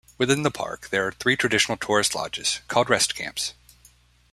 Within the park there are three traditional tourist lodges, called "rest camps".